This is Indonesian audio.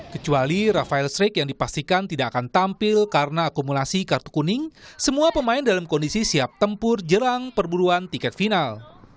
kecuali rafael strike yang dipastikan tidak akan tampil karena akumulasi kartu kuning semua pemain dalam kondisi siap tempur jelang perburuan tiket final